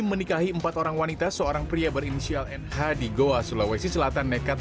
menikahi empat orang wanita seorang pria berinisial nh di goa sulawesi selatan nekat